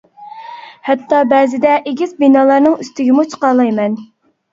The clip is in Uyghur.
ھەتتا بەزىدە ئېگىز بىنالارنىڭ ئۈستىگىمۇ چىقالايمەن.